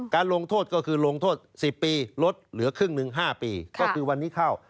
ลงโทษก็คือลงโทษ๑๐ปีลดเหลือครึ่งหนึ่ง๕ปีก็คือวันนี้เข้า